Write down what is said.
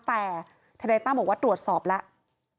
แต่ทนายตั้มบอกว่าตรวจสอบแล้ว